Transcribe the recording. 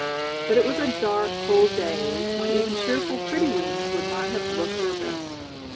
But it was a dark, cold day when even cheerful, pretty rooms would not have looked their best.